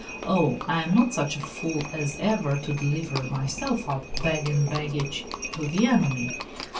Oh, I am not such a fool as ever to deliver myself up, bag and baggage, to the enemy!